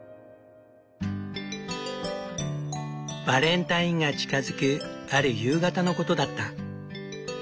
バレンタインが近づくある夕方のことだった。